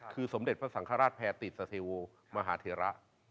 คือสมเด็จพระสังฆราชแพรติสเทโวมหาเทระ